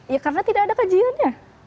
ya karena tidak ada kajiannya